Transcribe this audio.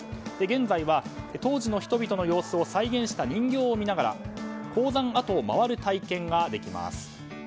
現在は当時の人々の様子を再現した人形を見ながら鉱山跡を回る体験ができます。